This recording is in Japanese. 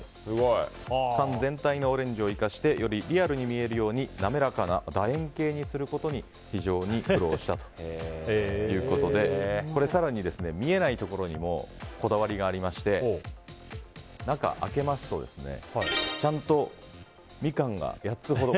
全体のオレンジを生かしてよりリアルに見えるように滑らかな楕円形にすることに非常に苦労したということで更に見えないところにもこだわりがありまして中、開けますとちゃんとミカンが８つほど。